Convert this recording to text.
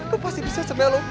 lu pasti bisa semelom gua